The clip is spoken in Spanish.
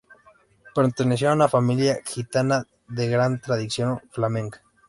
Perteneció a una familia gitana de gran tradición flamenca.